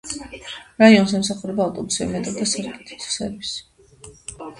რაიონს ემსახურება ავტობუსები, მეტრო და სარკინიგზო სერვისი.